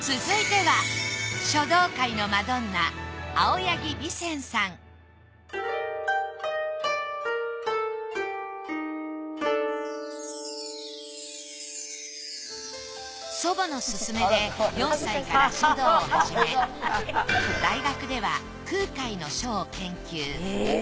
続いては書道界のマドンナ青柳美扇さん祖母のすすめで大学では空海の書を研究。